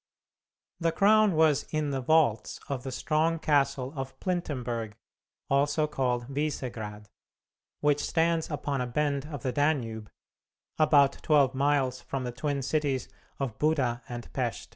The crown was in the vaults of the strong castle of Plintenburg, also called Vissegrad, which stands upon a bend of the Danube, about twelve miles from the twin cities of Buda and Pesth.